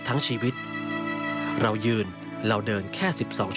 แม่เสี่ยวหนึ่งของพ่อ